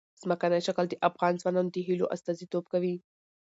ځمکنی شکل د افغان ځوانانو د هیلو استازیتوب کوي.